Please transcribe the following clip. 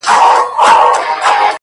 • د بېوفا لفظونه راوړل ـ